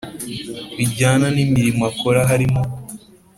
bijyana n imirimo akora harimo